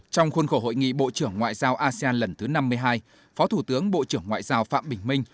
trong khuôn khổ hội nghị bộ trưởng ngoại giao asean lần thứ năm mươi hai phó thủ tướng bộ trưởng ngoại giao phạm bình minh